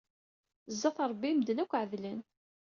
Sdat Ṛebbi, medden akk ɛedlen.